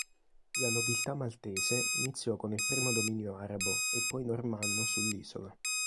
La nobiltà maltese iniziò con il primo dominio arabo e poi normanno sull'isola.